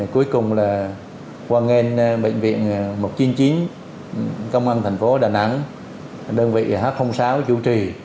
cuối cùng là quan hệ bệnh viện một trăm chín mươi chín công an thành phố đà nẵng đơn vị h sáu chủ trì